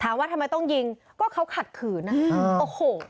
ว่าทำไมต้องยิงก็เขาขัดขืนอ่ะโอ้โห